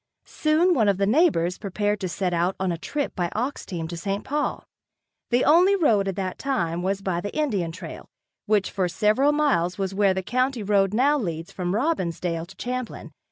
Soon one of the neighbors prepared to set out on a trip by ox team to St. Paul. The only road at that time was by the Indian trail, which for several miles was where the county road now leads from Robbinsdale to Champlin.